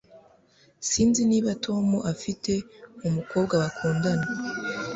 Sinzi niba Tom afite umukobwa bakundana.